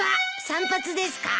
散髪ですか？